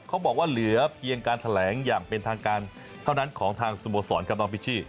เขาบอกว่าเหลือเพียงการแถลงอย่างเป็นทางการเท่านั้นของทางสโมสรกับน้องพิชชี่